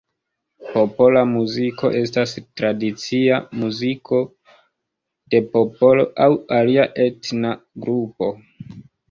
Popola muziko estas tradicia muziko de popolo aŭ alia etna grupo.